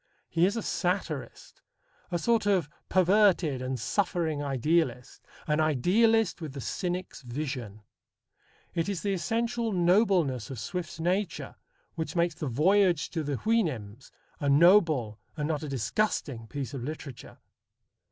He is a satirist, a sort of perverted and suffering idealist: an idealist with the cynic's vision. It is the essential nobleness of Swift's nature which makes the voyage to the Houyhnhnms a noble and not a disgusting piece of literature.